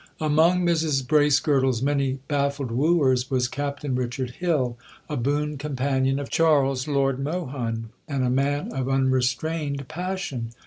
Among Mrs Bracegirdle's many baffled wooers was Captain Richard Hill, a boon companion of Charles, Lord Mohun, and a man of unrestrained passion.